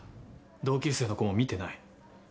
同級生の子も見てない。